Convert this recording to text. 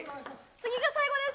次が最後です。